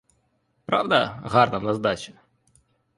Правда, гарна в нас дача?